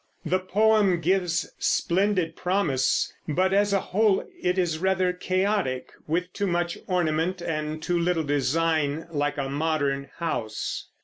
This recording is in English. The poem gives splendid promise, but as a whole it is rather chaotic, with too much ornament and too little design, like a modern house.